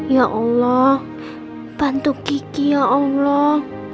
ya allah bantu kiki ya allah